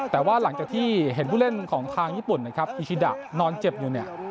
แต่ว่าหลังจากที่เห็นผู้เล่นของทางญี่ปุ่นนะครับอิชิดะนอนเจ็บอยู่เนี่ย